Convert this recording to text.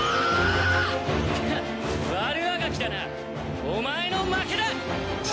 ハッ悪あがきだなお前の負けだ！